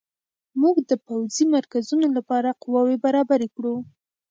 موږ د پوځي مرکزونو لپاره قواوې برابرې کړو.